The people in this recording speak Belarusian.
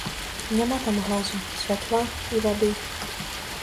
Няма там газу, святла і вады.